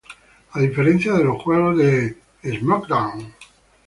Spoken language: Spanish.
A diferencia de los juegos de "Smackdown!